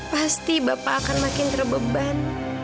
pasti bapak akan makin terbeban